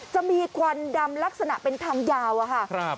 ควันดำลักษณะเป็นทางยาวอะค่ะ